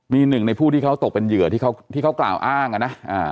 มีหนึ่งในผู้ที่เขาตกเป็นเหยื่อที่เขาที่เขากล่าวอ้างอ่ะนะ